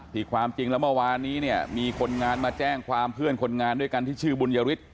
ความจริงแล้วเมื่อวานนี้เนี่ยมีคนงานมาแจ้งความเพื่อนคนงานด้วยกันที่ชื่อบุญยฤทธิ